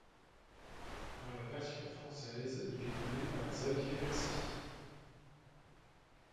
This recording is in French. Dans la version Française, il est doublé par Xavier Percy.